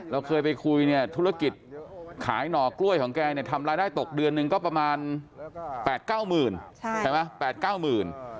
เราเคยไปคุยธุรกิจขายหน่อกล้วยของแกทำรายได้ตกเดือนหนึ่งก็ประมาณแปดเก้าหมื่น